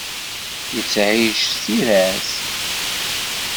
Yettεic s tira-s.